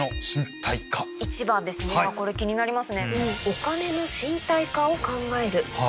これ気になりますね。